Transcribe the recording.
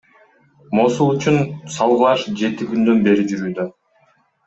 Мосул үчүн салгылаш жети күндөн бери жүрүүдө.